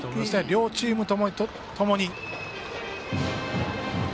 両チームともに。